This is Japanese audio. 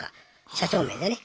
社長命でね。